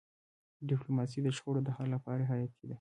ډيپلوماسي د شخړو د حل لپاره حیاتي ده.